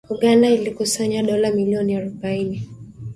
Uganda ilikusanya dola milioni arubaini